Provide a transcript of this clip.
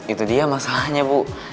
itu dia masalahnya bu